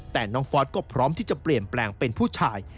แต่น้องฟอสก็พร้อมที่จะเปลี่ยนแปลงเป็นผู้ชาย